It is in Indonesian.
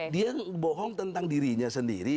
dia bohong tentang dirinya sendiri